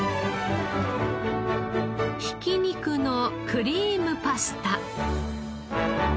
ひき肉のクリームパスタ。